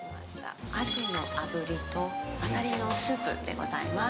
アジの炙りとアサリのスープでございます。